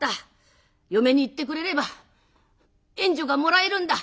嫁に行ってくれれば援助がもらえるんだ。